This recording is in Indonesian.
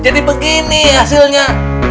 jadi begini hasilnya